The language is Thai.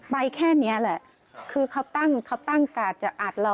ไปแค่นี้แหละคือเขาตั้งกาจจะอัดเรา